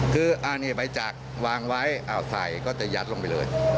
คืออันนี้ใบจักรวางไว้ใส่ก็จะยัดลงไปเลย